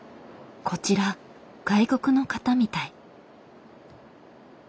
こちら外国の方みたい。